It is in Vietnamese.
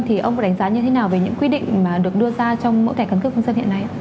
thì ông có đánh giá như thế nào về những quy định được đưa ra trong mẫu thẻ căn cước công dân hiện nay